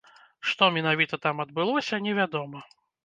Што менавіта там адбылося, невядома.